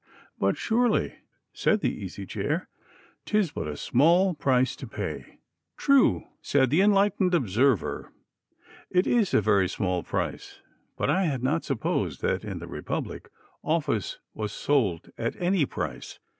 "But surely," said the Easy Chair, "'tis but a small price to pay." "True," said the Enlightened Observer, "it is a very small price; but I had not supposed that in the republic office was sold at any price.